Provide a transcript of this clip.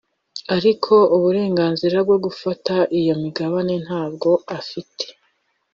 ariko uburenganzira bwo gufata iyo migabane ntabwo afite